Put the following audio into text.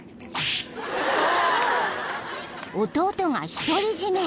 ［弟が独り占め］